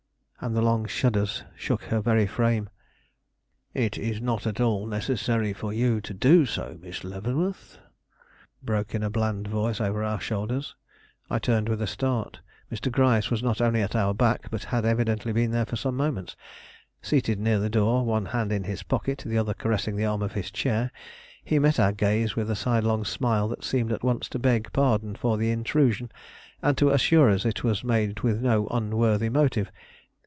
and the long shudders shook her very frame. "It is not at all necessary for you to do so, Miss Leavenworth," broke in a bland voice over our shoulders. I turned with a start. Mr. Gryce was not only at our back, but had evidently been there for some moments. Seated near the door, one hand in his pocket, the other caressing the arm of his chair, he met our gaze with a sidelong smile that seemed at once to beg pardon for the intrusion, and to assure us it was made with no unworthy motive.